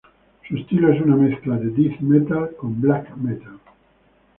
Su estilo es una mezcla de Death metal con Black metal.